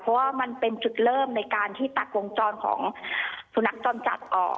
เพราะว่ามันเป็นจุดเริ่มในการที่ตัดวงจรของสุนัขจรจัดออก